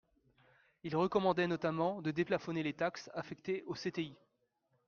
Il recommandait notamment de déplafonner les taxes affectées aux CTI.